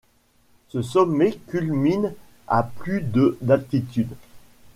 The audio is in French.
Ce sommet culmine à plus de d'altitude.